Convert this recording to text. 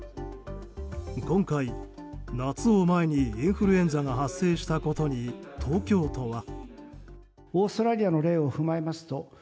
今回、夏を前にインフルエンザが発生したことに東京都は。